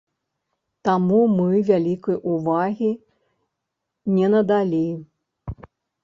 Таму мы вялікай увагі не надалі.